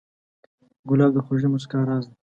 ګلاب د خوږې موسکا راز دی.